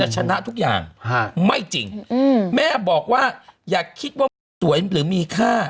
ชนะทุกอย่างไม่จริงแม่บอกว่าอย่าคิดว่าแม่สวยหรือมีค่า